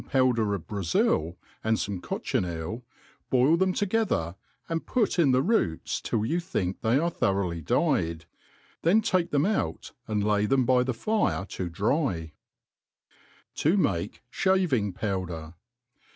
powder of brafil, and fome coehineal^ boil them together, and put in th^ roots till you think they are tfao^ roughly dyed ; then take them out^ and lay them by the fire to dry, To mate Siaving^Powdor.